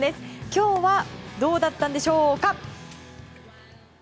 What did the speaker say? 今日はどうだったんでしょうか。